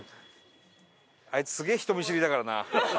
あいつすげえ人見知りだからな。